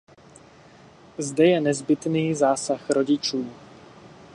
Zde je nezbytný zásah rodičů.